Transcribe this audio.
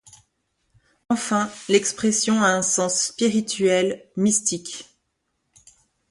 Enfin, l'expression a un sens spirituel, mystique.